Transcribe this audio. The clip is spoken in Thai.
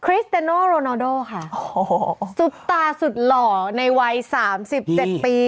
คริสเตเนอร์โรนาโด่ค่ะสุดตาสุดหล่อในวัยสามสิบเจ็ดปี